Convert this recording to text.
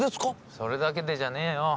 それだけでじゃねえよ